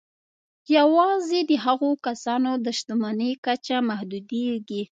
یوازې د هغو کسانو د شتمني کچه محدودېږي